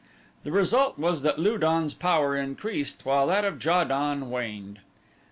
The result was that Lu don's power increased while that of Ja don waned.